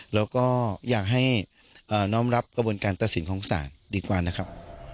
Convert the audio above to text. แล้วก็อยากให้น้องรับกระบวนการตัดสินของศาลดีกว่านะครับ